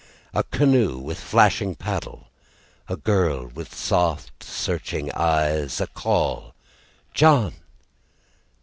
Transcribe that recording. A canoe with flashing paddle, A girl with soft searching eyes, A call: "John!"